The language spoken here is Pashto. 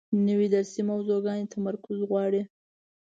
نوې درسي موضوع تمرکز غواړي